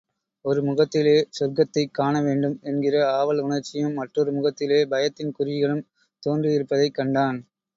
ஒரு முகத்திலே, சொர்க்கத்தைக் காணவேண்டும் என்கிற ஆவல் உணர்ச்சியும், மற்றொரு முகத்திலே பயத்தின் குறிகளும் தோன்றியிருப்பதைக் கண்டான்.